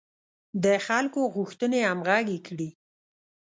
د خلکو غوښتنې همغږې کړي.